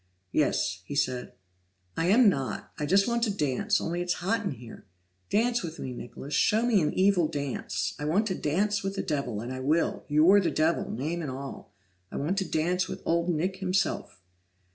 "Yes," he said. "I am not! I just want to dance, only it's hot in here. Dance with me, Nicholas show me an evil dance! I want to dance with the Devil, and I will! You're the Devil, name and all! I want to dance with Old Nick himself!"